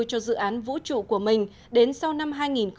cho dự án vũ trụ của mình đến sau năm hai nghìn hai mươi